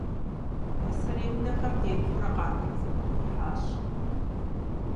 Пасэрей унэхэм деплъурэ къалэр къызэхэткӏухьащ.